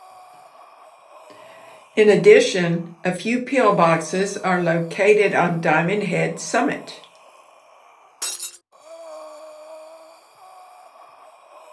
In addition, a few pillboxes are located on Diamond Head's summit.